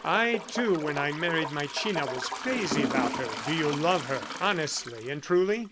I, too, when I married my China was crazy about her. Do you love her, honestly and truly?